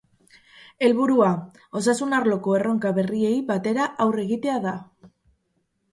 Helburua, osasun arloko erronka berriei batera aurre egitea da.